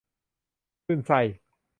คลื่นไส้